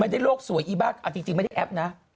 ไม่ได้โลกสวยอีบ๊ากจริงไม่ได้แอปนะ